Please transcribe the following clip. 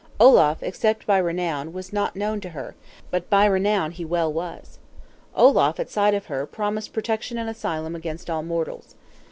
Olaf, except by renown, was not known to her; but by renown he well was. Olaf, at sight of her, promised protection and asylum against all mortals.